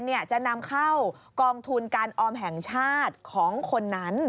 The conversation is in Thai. จะนำเข้ากองทุนการออมแห่งชาติของคนนั้น